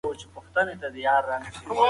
ماشوم د مور له چلند عملي زده کړه کوي.